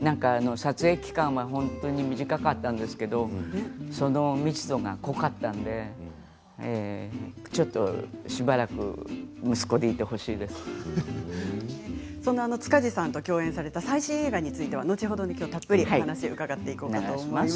撮影期間は短かったんですけどその密度が濃かったのでちょっとしばらく塚地さんと共演された最新映画については後ほどたっぷりお話を伺っていこうかなと思います。